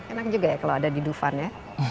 enak juga ya kalau ada di dufan ya